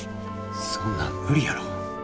そんなん無理やろ。